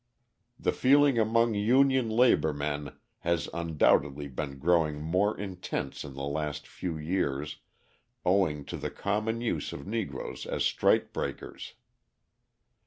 The feeling among union labour men has undoubtedly been growing more intense in the last few years owing to the common use of Negroes as strike breakers.